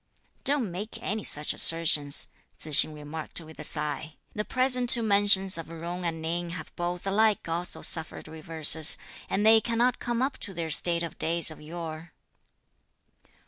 "Don't make any such assertions," Tzu hsing remarked with a sigh, "the present two mansions of Jung and Ning have both alike also suffered reverses, and they cannot come up to their state of days of yore."